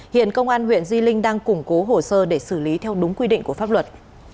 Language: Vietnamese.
hiện công an huyện di linh đang củng cố hồ sơ để xử lý theo đúng quy định của pháp luật